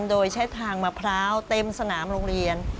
โดยใช้ทางมะพร้าวเต็มสนามโรงเรียน